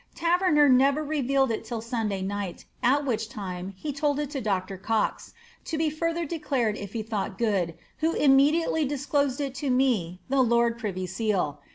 Taverner never revealed it till Sunday night, at which time he told it to Dr. Cox,' to be further declared if he thought jfood. who immediately disclosed it to me the lord privy seal.